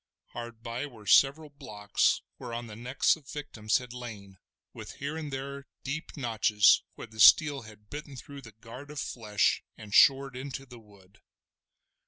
Hard by were several blocks whereon the necks of the victims had lain, with here and there deep notches where the steel had bitten through the guard of flesh and shored into the wood.